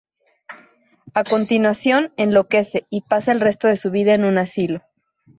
A continuación enloquece y pasa el resto de su vida en un asilo.